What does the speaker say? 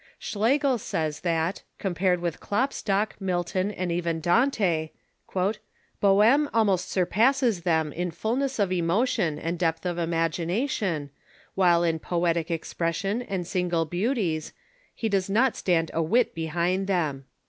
Schlegel says that, compared wnth Klopstock, Milton, and even Dante, " Boelime almost surpasses them in fulness of emotion and depth of imagination, while in poetic expres sion and single beauties he does not stand a whit behind them."